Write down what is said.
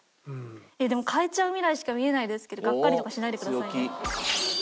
でも買えちゃう未来しか見えないですけどガッカリとかしないでくださいね。